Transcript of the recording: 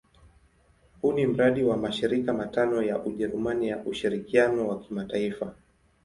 Huu ni mradi wa mashirika matano ya Ujerumani ya ushirikiano wa kimataifa.